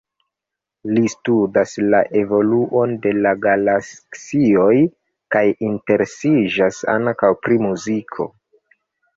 Li studas la evoluon de la galaksioj kaj interesiĝas ankaŭ pri muziko.